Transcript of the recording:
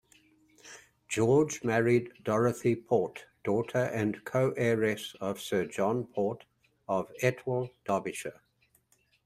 George married Dorothy Port, daughter and co-heiress of Sir John Port of Etwall, Derbyshire.